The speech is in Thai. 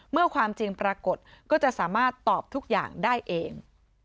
ความจริงปรากฏก็จะสามารถตอบทุกอย่างได้เอง